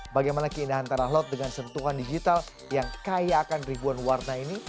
bagaimana keindahan tanah lot dengan sentuhan digital yang kayakan ribuan warna ini